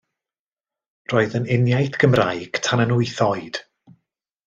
Roedd yn uniaith Gymraeg tan yn wyth oed.